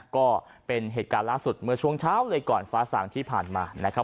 ก็เป็นเหตุการณ์ล่าสุดเมื่อช่วงเช้าเลยก่อนฟ้าสางที่ผ่านมานะครับ